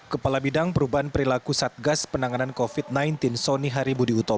kepala bidang perubahan perilaku satgas penanganan covid sembilan belas soni haribudi utoh